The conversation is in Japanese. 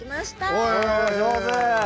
お上手！